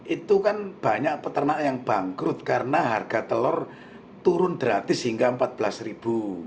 itu kan banyak peternak yang bangkrut karena harga telur turun gratis hingga rp empat belas ribu